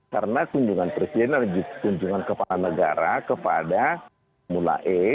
karena kunjungan presiden adalah kunjungan kepala negara kepada mula e